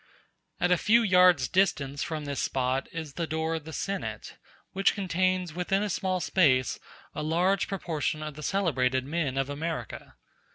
At a few yards' distance from this spot is the door of the Senate, which contains within a small space a large proportion of the celebrated men of America.